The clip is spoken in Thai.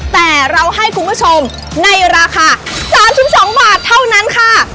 แต่เราให้คุณผู้ชมในราคา๓๒บาทเท่านั้นค่ะ